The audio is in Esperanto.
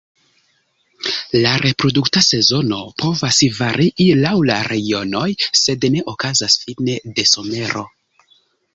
La reprodukta sezono povas varii laŭ la regionoj sed ne okazas fine de somero.